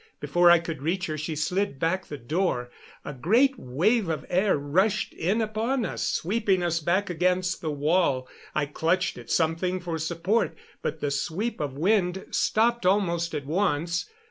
Before I could reach her she slid back the door. A great wave of air rushed in upon us, sweeping us back against the wall. I clutched at something for support, but the sweep of wind stopped almost at once.